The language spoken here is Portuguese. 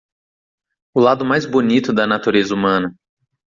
O lado mais bonito da natureza humana